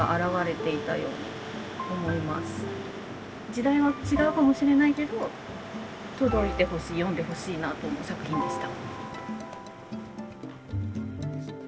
時代は違うかもしれないけど届いてほしい読んでほしいなと思う作品でした。